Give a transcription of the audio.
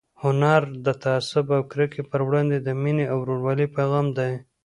هنر د تعصب او کرکې پر وړاندې د مینې او ورورولۍ پيغام دی.